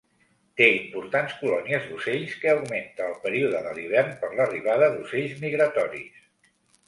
Té importants colònies d'ocells que augment al període de l'hivern per l'arribada d'ocells migratoris.